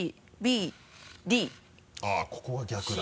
あぁここが逆だ。